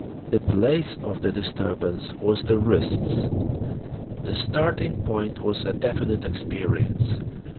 The place of the disturbance was the wrists. The starting point was a definite experience.